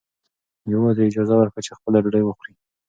یوازې یې اجازه ورکړه چې خپله ډوډۍ وخوري.